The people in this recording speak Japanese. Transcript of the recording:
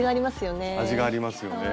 味がありますよね。